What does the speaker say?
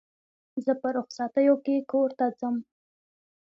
زه په رخصتیو کښي کور ته ځم.